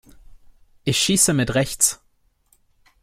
Ich schieße mit rechts.